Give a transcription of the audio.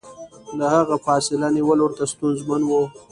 له هغه فاصله نیول ورته ستونزمن و.